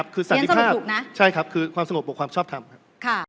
คือสันดิบภาพคือความสงบบวกความชอบทำ